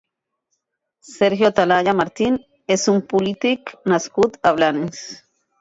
Sergio Atalaya Martín és un polític nascut a Blanes.